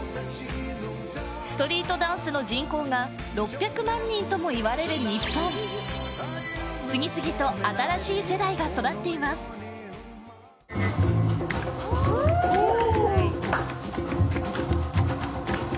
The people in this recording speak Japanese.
ストリートダンスの人口が６００万人ともいわれる日本次々と新しい世代が育っていますすごい！